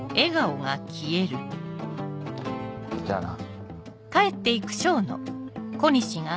じゃあな。